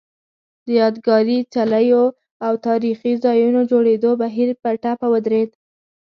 د یادګاري څلیو او تاریخي ځایونو جوړېدو بهیر په ټپه ودرېد